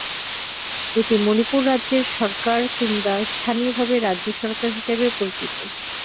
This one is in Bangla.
এটি মণিপুর রাজ্য সরকার কিংবা স্থানীয়ভাবে রাজ্য সরকার হিসাবেও পরিচিত।